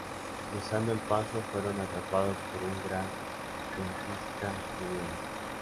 Cruzando el paso, fueron atrapados por una gran ventisca de nieve.